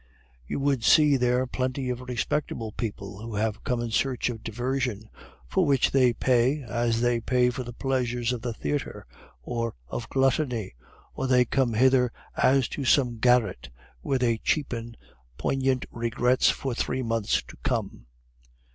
You would see there plenty of respectable people who have come in search of diversion, for which they pay as they pay for the pleasures of the theatre, or of gluttony, or they come hither as to some garret where they cheapen poignant regrets for three months to come.